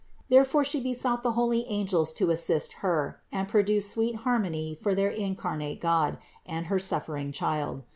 Therefore She besought the holy angels to assist Her and produce sweet harmony for their incarnate God, and 452 CITY OF GOD her suffering Child.